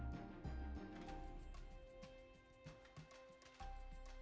gak pernah sama saya